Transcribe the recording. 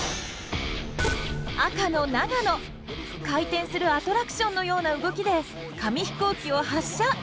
赤の長野回転するアトラクションのような動きで紙飛行機を発射！